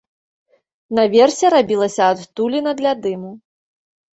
Наверсе рабілася адтуліна для дыму.